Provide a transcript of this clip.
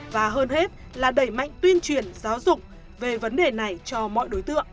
và hơn hết là đẩy mạnh tuyên truyền giáo dục về vấn đề này cho mọi đối tượng